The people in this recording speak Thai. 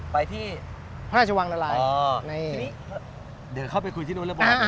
ไปที่พระนาจวังนารายย์อ๋อนี่เดี๋ยวเข้าไปคุยที่นู่นแล้วบอกหรือเปล่า